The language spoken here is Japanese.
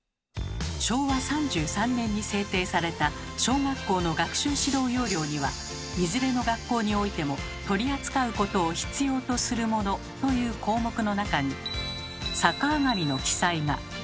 昭和３３年に制定された小学校の学習指導要領には「いずれの学校においても取扱うことを必要とするもの」という項目の中に「さか上がり」の記載が。